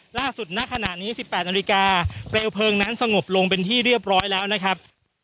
ล่าสุดหน้าขนาดนี้สิบแปดนาฬิกาเปลวเพลิงนั้นสงบลงเป็นที่เรียบร้อยแล้วนะครับ